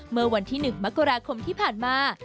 เมื่อวันที่๑มกราคมที่ผ่านมา